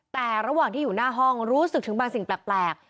แต่ระหว่างที่อยู่หน้าห้องรู้สึกถึงบางสิ่งแปลก